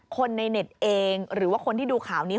คนในเน็ตเองหรือว่าคนที่ดูข่าวนี้